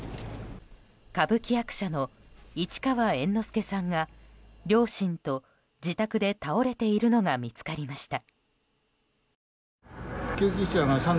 歌舞伎役者の市川猿之助さんが両親と自宅で倒れているのが見つかりました。